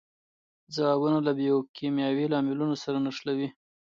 ځوابونه له بیوکیمیاوي لاملونو سره نښلوي.